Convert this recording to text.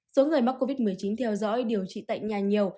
số người mắc covid một mươi chín theo dõi điều trị tại nhà nhiều